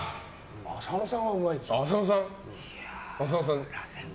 浅野さんはうまいでしょ。